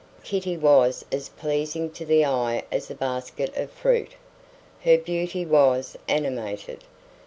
Kitty was as pleasing to the eye as a basket of fruit. Her beauty was animated.